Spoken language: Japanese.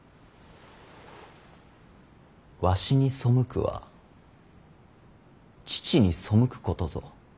わしに背くは父に背くことぞ。